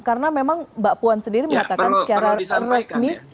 karena memang mbak puan sendiri mengatakan secara resmi